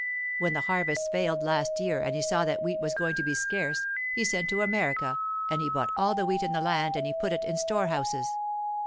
When the harvests failed last year, and he saw that wheat was going to be scarce, he sent to America and he bought all the wheat in the land and he put it in storehouses.